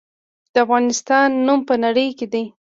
د افغانستان نوم په نړۍ کې دی